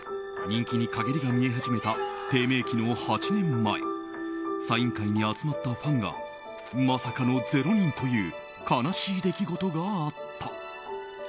人気に陰りが見え始めた低迷期の８年前サイン会に集まったファンがまさかの０人という悲しい出来事があった。